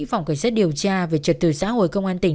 phòng cảnh sát điều tra về trật tự xã hội công an tỉnh